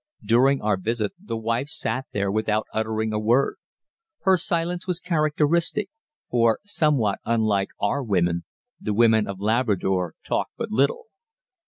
During our visit the wife sat there without uttering a word. Her silence was characteristic; for, somewhat unlike our women, the women of Labrador talk but little.